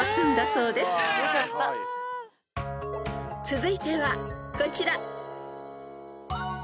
［続いてはこちら］